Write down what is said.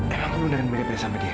emang aku beneran mirip sama dia